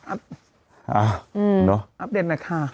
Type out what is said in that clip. อ้าอัพเด็นหน่อยค่ะ